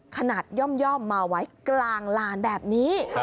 ย่อมมาไว้กลางลานแบบนี้